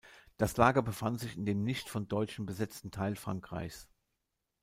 Das Lager befand sich in dem nicht von Deutschen besetzten Teil Frankreichs.